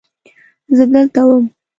زه دلته وم.